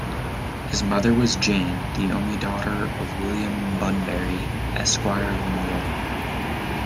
His mother was Jane, the only daughter of William Bunbury, Esquire of Moyle.